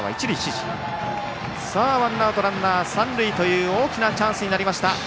ワンアウトランナー、三塁という大きなチャンスになりました。